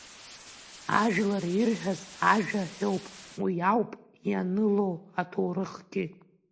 Ажәлар ирҳәаз ажәа ҳәоуп, уи ауп ианыло аҭоурыхгьы…